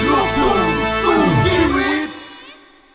เพราะเธอคนเดียวคืออีกเสียววงหัวใจให้บอกไปแค่เธอ